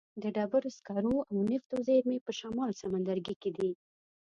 د ډبرو سکرو او نفتو زیرمې په شمال سمندرګي کې دي.